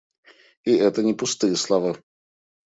И это не пустые слова.